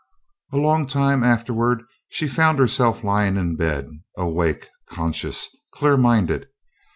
A long time afterward she found herself lying in bed, awake, conscious, clear minded.